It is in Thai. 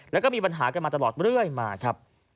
แล้วก็มีปัญหากันมาตลอดเรื่อยมาครับ